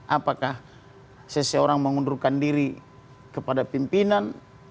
apakah seseorang mengundurkan diri kepada pimpinan